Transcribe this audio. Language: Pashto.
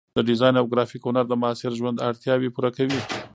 د ډیزاین او ګرافیک هنر د معاصر ژوند اړتیاوې پوره کوي.